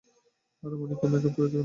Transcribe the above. আরে Monica, makeup করছো কেন?